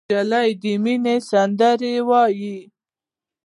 نجلۍ د مینې سندره وایي.